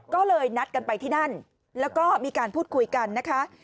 ก็เลยนัดกันไปที่นั่นแล้วก็มีการพูดคุยกันนะคะ